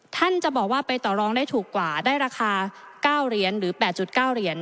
ท่านจะบอกว่าไปต่อรองได้ถูกกว่าได้ราคา๙เหรียญหรือ๘๙เหรียญ